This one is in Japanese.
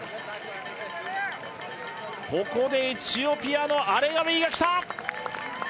ここでエチオピアのアレガウィが来た！